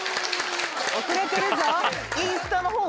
遅れてるぞ。